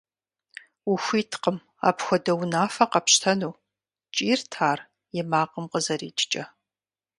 - Ухуиткъым апхуэдэ унафэ къэпщтэну! – кӀийрт ар и макъым къызэрикӀкӀэ.